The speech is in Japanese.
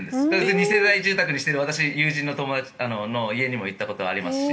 ２世帯住宅にしている友人の住宅にも行ったことがありますし。